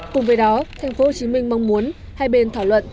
cùng với đó thành phố hồ chí minh mong muốn hai bên thảo luận